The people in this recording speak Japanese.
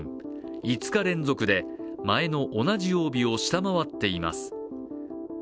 ５日連続で前の同じ曜日を下回っています。